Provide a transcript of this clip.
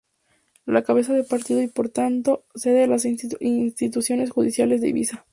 La cabeza de partido y por tanto sede de las instituciones judiciales es Ibiza.